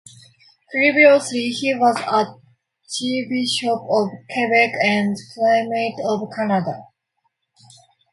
Previously, he was Archbishop of Quebec and Primate of Canada.